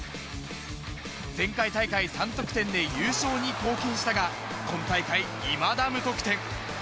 前回大会３得点で優勝に貢献したが、今大会いまだ無得点。